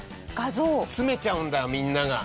詰めちゃうんだみんなが。